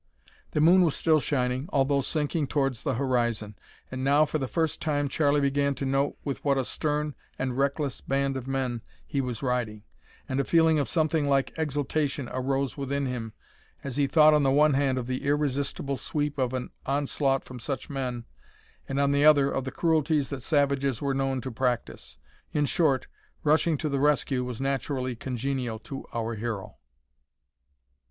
The moon was still shining although sinking towards the horizon, and now for the first time Charlie began to note with what a stern and reckless band of men he was riding, and a feeling of something like exultation arose within him as he thought on the one hand of the irresistible sweep of an onslaught from such men, and, on the other, of the cruelties that savages were known to practise. In short, rushing to the rescue was naturally congenial to our hero.